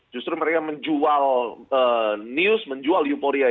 justru mereka menjual news menjual euforia ini